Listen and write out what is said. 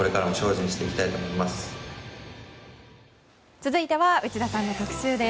続いては内田さんの特集です。